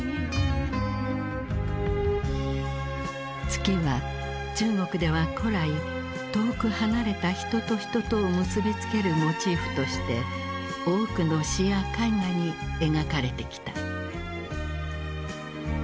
「月」は中国では古来遠く離れた人と人とを結び付けるモチーフとして多くの詩や絵画に描かれてきた。